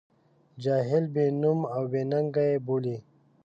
جاهل، بې نوم او بې ننګه یې بولي.